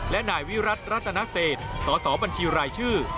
และนายวิรัติรัตนเศษสสบัญชีรายชื่อ